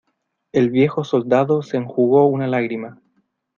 el viejo soldado se enjugó una lágrima.